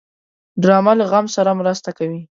ډرامه له غم سره مرسته کوي